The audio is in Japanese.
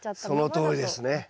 そのとおりですね。